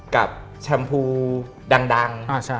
กับแชมพูดัง